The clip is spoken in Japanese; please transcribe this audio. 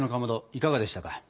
いかがでしたか？